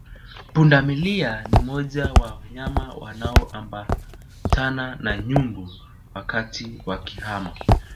Pundamilia ni moja wa wanyama wanaoambatana na nyumbu wakati wakihama